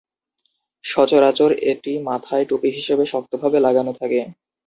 সচরাচর এটি মাথায় টুপি হিসেবে শক্তভাবে লাগানো থাকে।